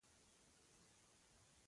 عثمان جان پاچا ورته وویل اکبرجانه!